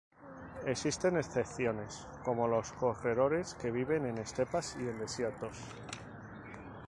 Existen excepciones como los corredores que viven en estepas y desiertos.